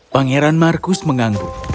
pangeran markus menganggup